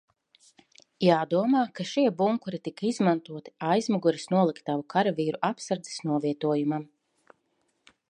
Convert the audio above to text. Jādomā, ka šie bunkuri tika izmantoti aizmugures noliktavu karavīru apsardzes novietojumam.